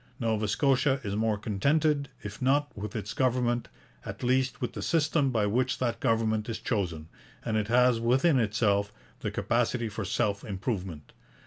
Nova Scotia is more contented, if not with its government, at least with the system by which that government is chosen, and it has within itself the capacity for self improvement.